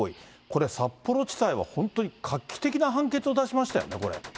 これ、札幌地裁は本当に画期的な判決を出しましたよね、これ。